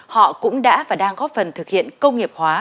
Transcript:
họ cũng đã và đang góp phần thực hiện công nghiệp hóa